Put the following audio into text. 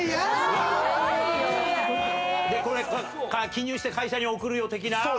これ記入して会社に送るよ的な？